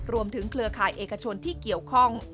รวมถึงเคลือข่ายเอกชนที่เกี่ยวข้อง